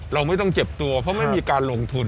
เราไม่ต้องเจ็บตัวเพราะไม่มีการลงทุน